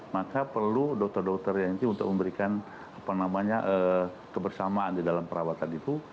maka perlu dokter dokter yang itu untuk memberikan kebersamaan di dalam perawatan itu